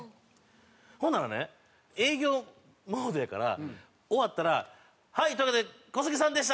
ほんならね営業モードやから終わったら「はいというわけで小杉さんでした」